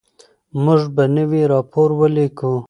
موږ به نوی راپور ولیکو.